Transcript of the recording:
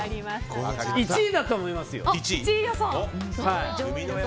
１位だと思いますよ。